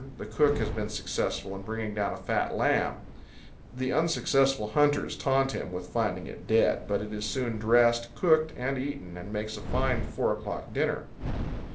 The cook has been successful in bringing down a fat lamb. The unsuccessful hunters taunt him with finding it dead; but it is soon dressed, cooked, and eaten, and makes a fine four o'clock dinner.